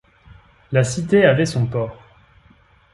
La cité avait son port.